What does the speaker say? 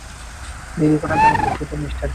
দেরি করার জন্য দুঃখিত মিস্টার ফ্লিন।